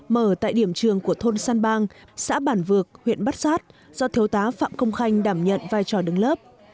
mở tại điểm trường của thôn san bang xã bản vược huyện bát sát do thiếu tá phạm công khanh đảm nhận vai trò đứng lớp